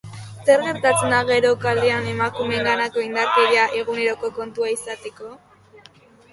Zer gertatzen da gero kalean emakumeenganako indarkeria eguneroko kontua izateko?